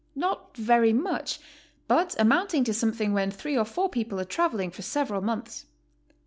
Not very much, but amounting to something when three or four people are traveling for several months.